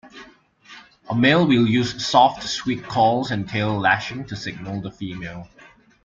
A male will use "soft squeak calls and tail-lashing" to signal the female.